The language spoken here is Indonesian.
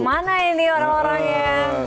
kemana ini orang orangnya